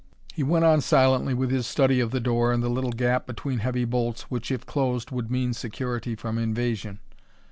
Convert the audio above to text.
He went on silently with his study of the door and the little gap between heavy bolts, which, if closed, would mean security from invasion.